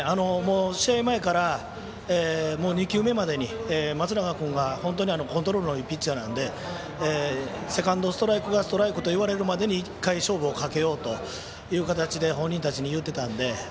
試合前から、２球目までに松永君が本当にコントロールのいいピッチャーなのでセカンドストライクがストライクと言われるまで１回勝負をかけようという形で本人たちに言ってたんで。